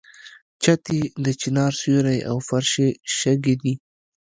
چت یې د چنار سیوری او فرش یې شګې دي.